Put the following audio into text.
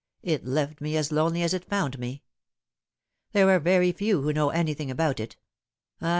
It left me as lonely as it found me. There are very few who know anything nbout it.